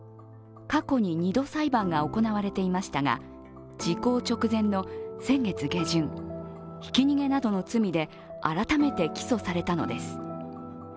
過去に２度裁判が行われていましたが、時効直前の先月下旬ひき逃げなどの罪で改めて起訴されたのです。